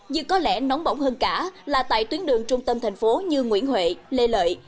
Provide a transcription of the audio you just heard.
nhưng có lẽ nóng bỏng hơn cả là tại tuyến đường trung tâm thành phố như nguyễn huệ lê lợi